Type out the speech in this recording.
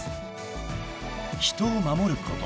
［人を守ること］